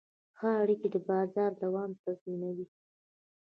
ښه اړیکې د بازار دوام تضمینوي.